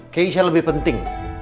keisha lebih penting